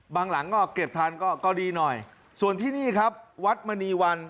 หลังก็เก็บทันก็ก็ดีหน่อยส่วนที่นี่ครับวัดมณีวัน